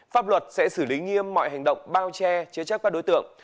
pháp luật sẽ xử lý nghiêm mọi hành động bao che chế chấp các đối tượng